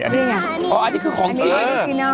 มันติดคุกออกไปออกมาได้สองเดือน